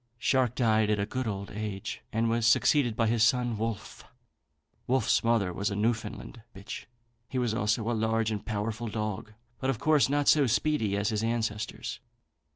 Shark died at a good old age, and was succeeded by his son Wolfe. Wolfe's mother was a Newfoundland bitch. He was also a large and powerful dog, but of course not so speedy as his ancestors.